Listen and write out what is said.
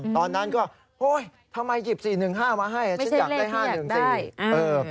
ตอนนั้นก็โอ๊ยทำไมหยิบ๔๑๕มาให้ฉันอยากได้๕๑๔เออ